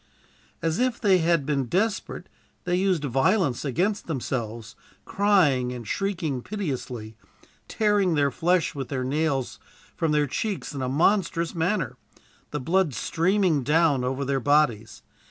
"As if they had been desperate, they used violence against themselves, crying and shrieking piteously, tearing their flesh with their nails from their cheeks in a monstrous manner, the blood streaming down over their bodies.